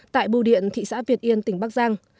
tại bù điện thị xã việt yên tỉnh bắc giang